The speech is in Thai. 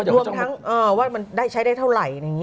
รวมทั้งว่ามันได้ใช้ได้เท่าไหร่